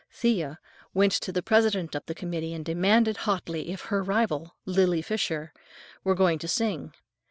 Thea went to the president of the committee and demanded hotly if her rival, Lily Fisher, were going to sing.